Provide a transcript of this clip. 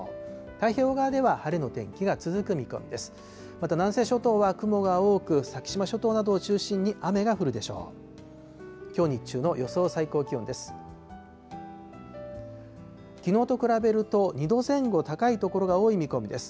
太平洋側では晴れの天気が続く見込みです。